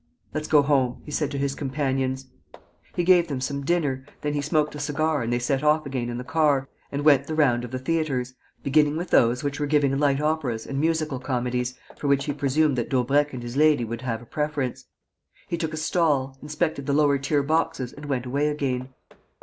"Let's go home," he said to his companions. He gave them some dinner; then he smoked a cigar and they set off again in the car and went the round of the theatres, beginning with those which were giving light operas and musical comedies, for which he presumed that Daubrecq and his lady would have a preference. He took a stall, inspected the lower tier boxes and went away again.